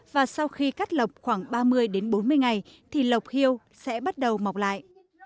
và sau khi cắt lọc khoảng ba mươi đến bốn mươi ngày thì lộc hiêu sẽ bắt đầu mọc lại